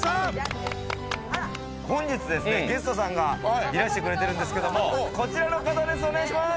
本日ですね、ゲストさんがいらしてくれてるんですけど、こちらの方です。